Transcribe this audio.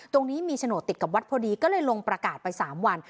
ตรงนี้มีโฉนดติดกับวัดพอดีก็เลยลงประกาศไป๓วัน